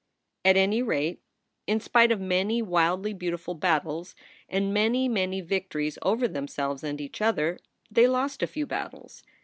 At any rate, in spite of many wildly beautiful battles, and many, many victories over themselves and each other, they lost a few battles.